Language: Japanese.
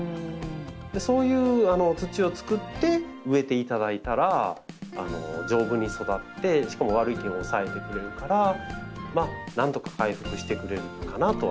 そういう土をつくって植えていただいたら丈夫に育ってしかも悪い菌を抑えてくれるからなんとか回復してくれるかなとは。